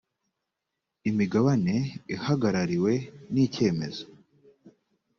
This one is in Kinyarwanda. imigabane ihagarariwe n icyemezo